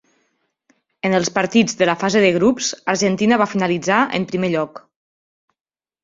En els partits de la fase de grups Argentina va finalitzar en primer lloc.